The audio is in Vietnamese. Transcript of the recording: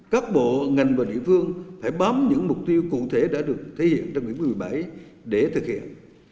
các bộ ngành và địa phương phải bám những mục tiêu cụ thể đã được thể hiện trong nghị quyết một mươi bảy để thực hiện